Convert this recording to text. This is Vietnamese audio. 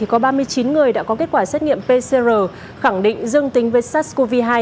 có ba mươi chín người đã có kết quả xét nghiệm pcr khẳng định dương tính với sars cov hai